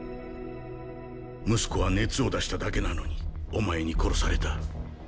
息子は熱を出しただけなのにお前に殺された。